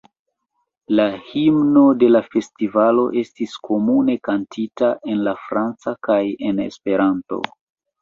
La himno de la festivalo estis komune kantita en la franca kaj en Esperanto.